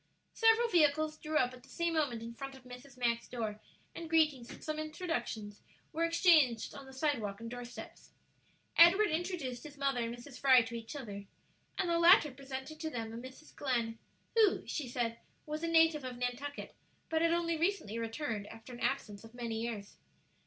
Several vehicles drew up at the same moment in front of Mrs. Mack's door, and greetings and some introductions were exchanged on the sidewalk and door steps. Edward introduced his mother and Mrs. Fry to each other, and the latter presented to them a Mrs. Glenn, who, she said, was a native of Nantucket, but had only recently returned after an absence of many years.